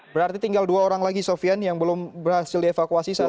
berarti tinggal dua orang lagi sofian yang belum berhasil dievakuasi saat ini